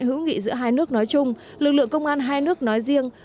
hữu nghị giữa hai nước nói chung lực lượng công an hai nước nói riêng